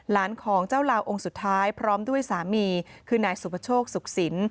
ของเจ้าลาวองค์สุดท้ายพร้อมด้วยสามีคือนายสุภโชคสุขสิน